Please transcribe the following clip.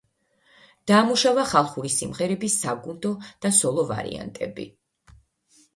დაამუშავა ხალხური სიმღერების საგუნდო და სოლო ვარიანტები.